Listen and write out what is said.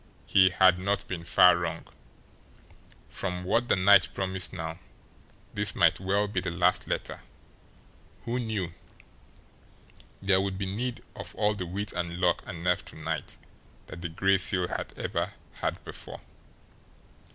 He had not been far wrong. From what the night promised now, this might well be the last letter. Who knew? There would be need of all the wit and luck and nerve to night that the Gray Seal had ever had before.